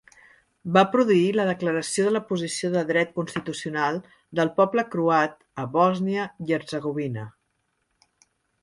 Va produir la "Declaració de la posició de dret constitucional del poble croat a Bòsnia i Hercegovina.